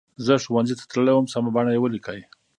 زه ښوونځي ته تللې وم سمه بڼه یې ولیکئ.